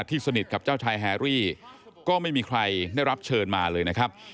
สนิทกับเจ้าชายแฮรี่ก็ไม่มีใครได้รับเชิญมาเลยนะครับ